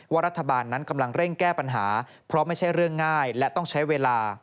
รัฐบาลนั้นกำลังเร่งแก้ปัญหาเพราะไม่ใช่เรื่องง่ายและต้องใช้เวลา